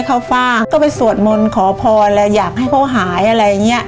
ฟ้าก็ไปสวดมนต์ขอพรแล้วอยากให้เขาหายอะไรอย่างเงี้ย